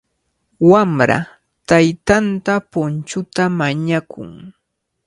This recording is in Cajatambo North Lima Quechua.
Wamra taytanta punchuta mañakun.